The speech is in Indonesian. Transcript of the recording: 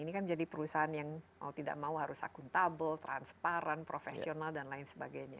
ini kan jadi perusahaan yang mau tidak mau harus akuntabel transparan profesional dan lain sebagainya